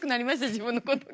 自分のことが。